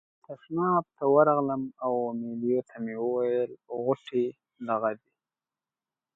تشناب ته ورغلم او امیلیو ته مې وویل غوټې دغه دي.